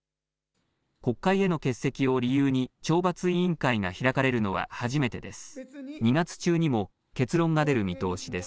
国会への欠席を理由に懲罰委員会が開かれるのは初めてです。